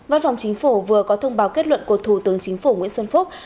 văn phòng chính phủ vừa có thông báo kết luận của thủ tướng chính phủ nguyễn xuân phúc